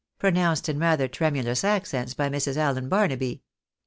" pronounced in rather tremulous accents by Mrs. Allen Barnaby.